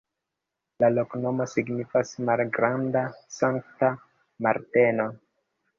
La loknomo signifas: malgranda-Sankta Marteno.